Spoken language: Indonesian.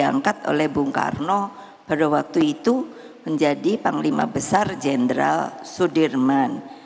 diangkat oleh bung karno pada waktu itu menjadi panglima besar jenderal sudirman